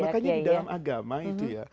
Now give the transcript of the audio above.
makanya di dalam agama itu ya